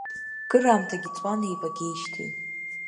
Кыраамҭагьы ҵуан еибагеижьҭеи.